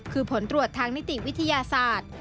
คือผลตรวจทางนิติวิทยาศาสตร์